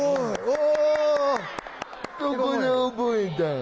お！